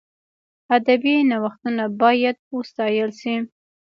ادبي نوښتونه باید وستایل سي.